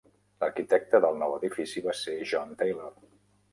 L'arquitecte del nou edifici va ser John Taylor.